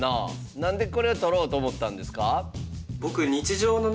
何でこれは撮ろうと思ったんですか？